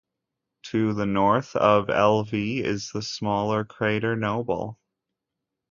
To the north of Elvey is the smaller crater Nobel.